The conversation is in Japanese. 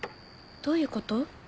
どういうこと？